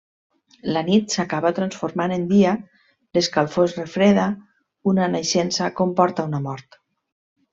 La nit s'acaba transformat en dia, l'escalfor es refreda, una naixença comporta una mort.